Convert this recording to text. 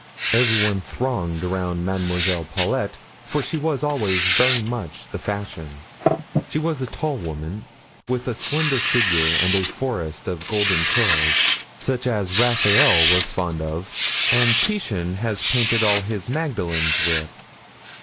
Every one thronged around Mademoiselle Paulet, for she was always very much the fashion. She was a tall woman, with a slender figure and a forest of golden curls, such as Raphael was fond of and Titian has painted all his Magdalens with.